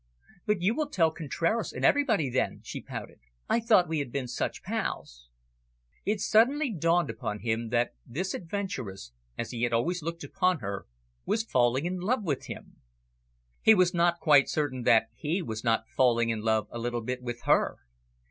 "But you will tell Contraras and everybody then," she pouted. "I thought we had been such pails." It suddenly dawned upon him that this adventuress, as he had always looked upon her, was falling in love with him. He was not quite certain that he was not falling in love a little bit with her.